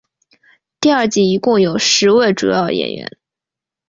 第二季一共有十位主要演员。